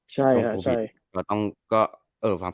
ใช่ครับ